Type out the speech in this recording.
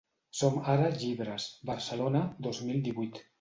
Som-Ara llibres, Barcelona, dos mil divuit.